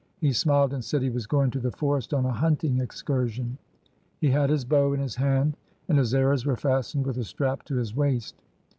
He smiled and said he was going to the forest on a hunting excursion. He had his bow in his hand, and his arrows were fastened with a strap to his waist.'